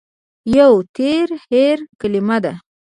يوه تېره هېره کلمه ده